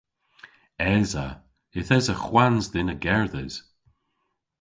Esa. Yth esa hwans dhyn a gerdhes.